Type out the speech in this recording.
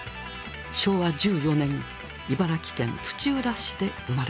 昭和１４年茨城県土浦市で生まれました。